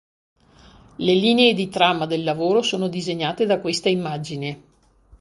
Le linee di trama del lavoro sono disegnate da questa immagine.